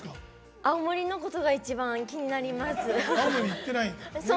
青森のことが一番、気になります。